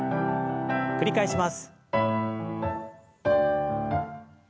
繰り返します。